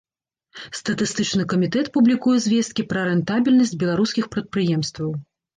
Статыстычны камітэт публікуе звесткі пра рэнтабельнасць беларускіх прадпрыемстваў.